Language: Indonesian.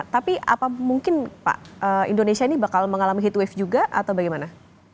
tapi apa mungkin pak indonesia ini bakal mengalami head wave juga atau bagaimana